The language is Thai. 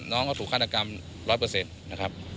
น้องก็ถูกฆาตกรรม๑๐๐นะครับ